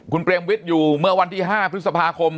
คุณเปรมวิทย์อยู่เมื่อวันที่๕พฤษภาคม